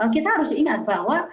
kita harus ingat bahwa